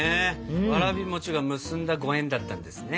わらび餅が結んだご縁だったんですね。